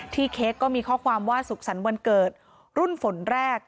ที่เค้ก็มีข้อความว่าศุกษันวันเกิดรุ่นฝนแรก